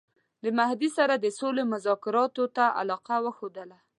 د مهدي سره د سولي مذاکراتو ته علاقه وښودله.